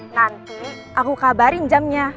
nanti aku kabarin jamnya